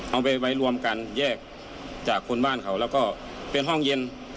เอาไปไว้รวมกันแยกจากคนบ้านเขาแล้วก็เป็นห้องเย็น